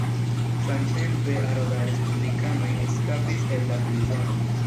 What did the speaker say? Samtempe aro da respublikanoj eskapis el la prizono.